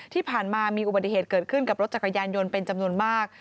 ที่ผ่านมามีอุบัติเหตุเกิดขึ้นกับรถจักรยานยนต์เป็นจำนวนมาก